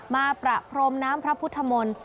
มาประพรมน้ำพระพุทธมนตร์